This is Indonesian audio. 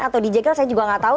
atau dijegel saya juga nggak tahu